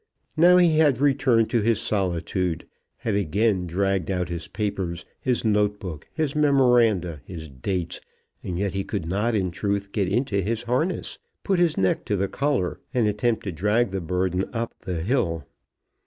Now he had returned to his solitude, had again dragged out his papers, his note book, his memoranda, his dates, and yet he could not in truth get into his harness, put his neck to the collar, and attempt to drag the burden up the hill.